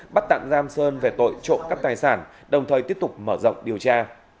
bắt tạm giam sơn về tội trộm cắp tài sản đồng thời tiếp tục mở rộng điều tra